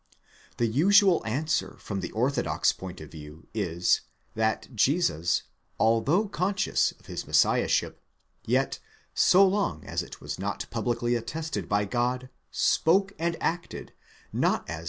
The usual answer from the orthodox point of view is, that Jesus, although conscious of his Messiahship, yet, so long as it was not publicly attested by God, spoke and acted, not as.